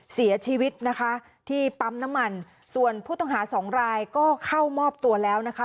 เสียชีวิตนะคะที่ปั๊มน้ำมันส่วนผู้ต้องหาสองรายก็เข้ามอบตัวแล้วนะคะ